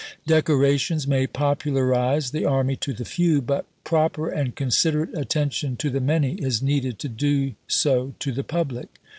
Decorations may popularise the army to the few, but proper and considerate attention to the many is needed to do so to the public.